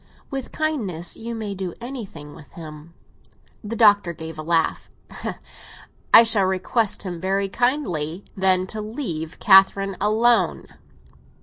With kindness you may do anything with him." The Doctor gave a laugh. "I shall request him very kindly, then, to leave Catherine alone."